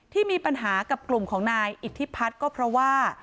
ที่มีปัญหากับกลุ่มของนายอิทธิพัฒน์ก็เพราะว่า